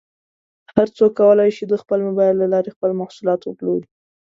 هر څوک کولی شي د مبایل له لارې خپل محصولات وپلوري.